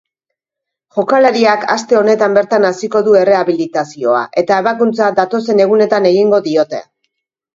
Jokalariak aste honetan bertan hasiko du errehabilitazioa eta ebakuntza datozen egunetan egingo diote.